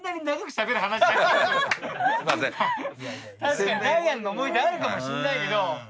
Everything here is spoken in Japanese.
確かにダイアンの思い出あるかもしんないけど。